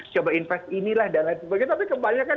coba investasi inilah dan lain sebagainya tapi kebanyakan